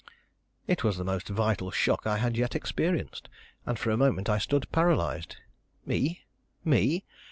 It was the most vital shock I had yet experienced; and for a moment I stood paralyzed. Me! me!